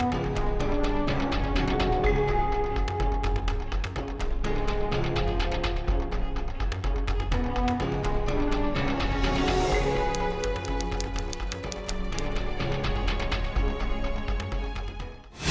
ini komputer saya